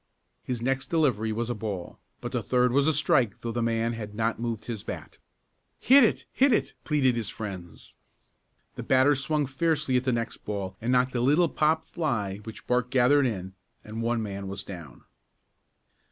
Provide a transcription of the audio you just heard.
His next delivery was a ball, but the third was a strike though the man had not moved his bat. "Hit it hit it!" pleaded his friends. The batter swung fiercely at the next ball and knocked a little pop fly which Bart gathered in and one man was down.